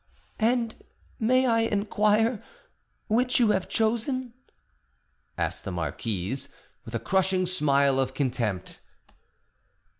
"And may I inquire which you have chosen?" asked the marquise, with a crushing smile of contempt.